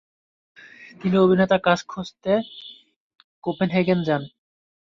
তিনি অভিনেতা কাজ খোঁজতে কোপেনহেগেনে যান।